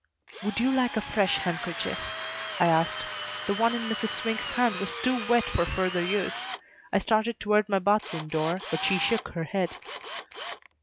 "Would you like a fresh handkerchief?" I asked. The one in Mrs. Swink's hand was too wet for further use. I started toward my bedroom door, but she shook her head.